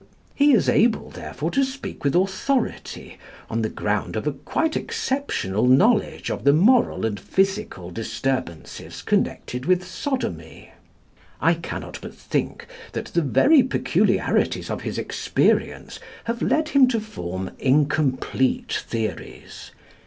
He is able therefore to speak with authority, on the ground of a quite exceptional knowledge of the moral and physical disturbances connected with sodomy. I cannot but think that the very peculiarities of his experience have led him to form incomplete theories.